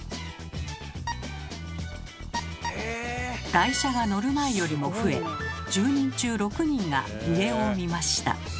台車が乗る前よりも増え１０人中６人が上を見ました。